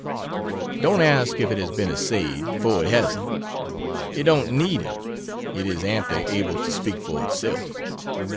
Don't ask if it has been assayed, for it hasn't. It don't need it. It is amply able to speak for itself.